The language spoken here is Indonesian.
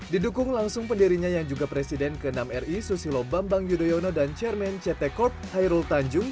didukung langsung pendirinya yang juga presiden ke enam ri susilo bambang yudhoyono dan chairman ct corp hairul tanjung